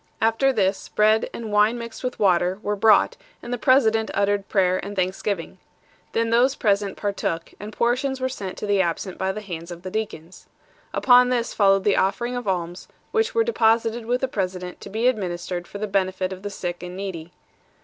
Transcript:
After this, bread, and wine mixed with water, were brought, and the president uttered prayer and thanksgiving. Then those present partook, and portions were sent to the absent by the hands of the deacons. Upon this followed the offering of alms, which were deposited with the president to be administered for the benefit of the sick and needy.